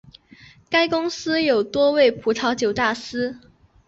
该公司有多位葡萄酒大师。